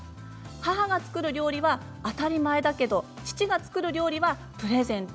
母が作る料理は当たり前だけど父が作る料理はプレゼント。